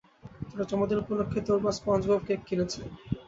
তোর জন্মদিন উপলক্ষে তোর মা স্পঞ্জবব কেক কিনেছে।